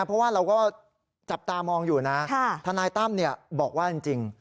เพราะว่าเราก็จับตามองอยู่นะค่ะทนายตั้มเนี้ยบอกว่าจริงจริง